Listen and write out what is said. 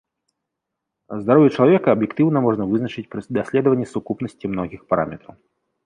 Здароўе чалавека аб'ектыўна можна вызначыць пры даследаванні сукупнасці многіх параметраў.